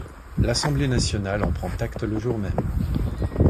L'Assemblée nationale en prend acte le jour même.